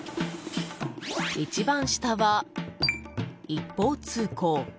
一番下は一方通行。